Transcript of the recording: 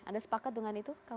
anda sepakat dengan itu